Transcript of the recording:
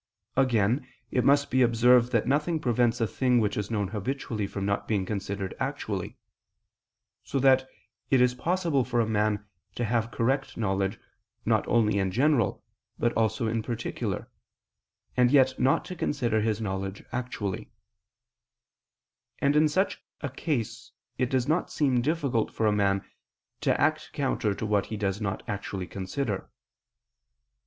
Again, it must be observed that nothing prevents a thing which is known habitually from not being considered actually: so that it is possible for a man to have correct knowledge not only in general but also in particular, and yet not to consider his knowledge actually: and in such a case it does not seem difficult for a man to act counter to what he does not actually consider.